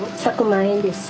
１００万円です。